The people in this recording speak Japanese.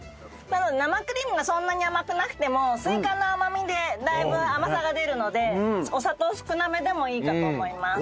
生クリームがそんなに甘くなくてもスイカの甘みでだいぶ甘さが出るのでお砂糖少なめでもいいかと思います。